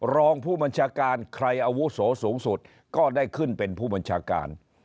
รองผู้บัญชาการใครอาวุโสสูงสุดก็ได้ขึ้นเป็นผู้บัญชาการ